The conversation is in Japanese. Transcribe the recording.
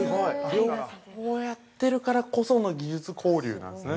両方やってるからこその技術交流なんですね。